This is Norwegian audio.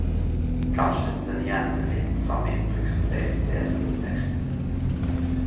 Kanskje sit ein igjen med litt same inntrykk som dei som les grunnteksten?